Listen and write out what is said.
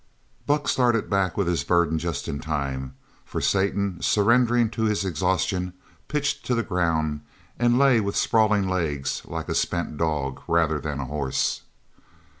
Buck started back with his burden just in time, for Satan, surrendering to his exhaustion, pitched to the ground, and lay with sprawling legs like a spent dog rather than a horse.